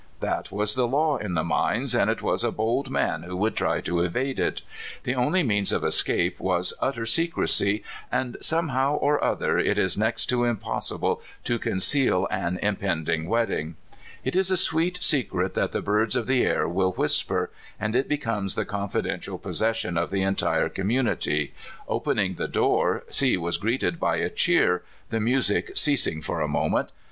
That was the law in the mines, and it was a bold man who would try to evade it. The only means of escape was utter secrec}', and somehow or other it is next to impossible to conceal an im pending wedding. It is a sweet secret that the birds of the air will whisper, and it becomes the confidential possession of the entire community. Opening the door, C was greeted by a cheer, the music ceasing for a moment.